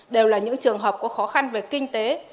đều là những trường hợp có khó khăn về kinh tế